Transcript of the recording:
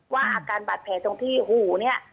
ว่าอาการบาดแผลตรงที่หูเนี่ย